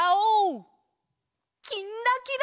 「きんらきら」。